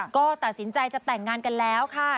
ก็ตัดสินใจจะแต่งงานกันแล้วค่ะ